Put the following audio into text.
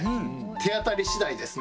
手当たり次第ですね